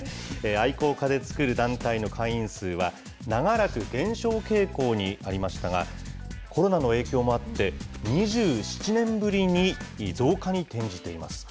愛好家で作る団体の会員数は、長らく減少傾向にありましたが、コロナの影響もあって、２７年ぶりに増加に転じています。